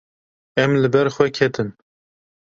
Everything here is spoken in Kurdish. Em li ber xwe ketin.